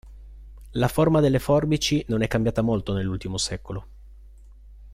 La forma delle forbici non è cambiata molto nell'ultimo secolo.